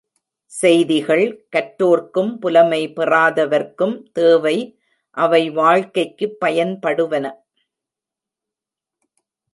செய்திகள், கற்றோர்க்கும் புலமை பெறாதவர்க்கும் தேவை அவை வாழ்க்கைக்குப் பயன்படுவன.